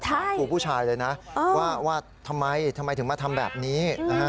ครูผู้ชายเลยนะว่าทำไมทำไมถึงมาทำแบบนี้นะฮะ